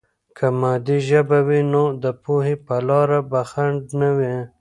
که مادي ژبه وي، نو د پوهې په لاره به خنډ نه وي.